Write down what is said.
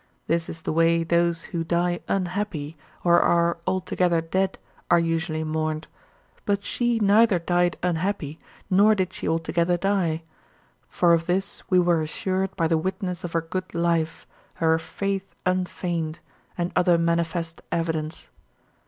This is the way those who die unhappy or are altogether dead are usually mourned. But she neither died unhappy nor did she altogether die. For of this we were assured by the witness of her good life, her "faith unfeigned," and other manifest evidence.